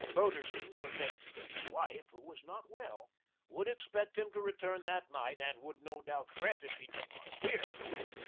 Broderson protested that his wife, who was not well, would expect him to return that night and would, no doubt, fret if he did not appear.